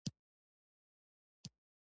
د ژبې دودونه باید وساتل سي.